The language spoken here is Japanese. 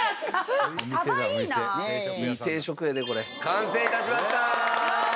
完成致しました！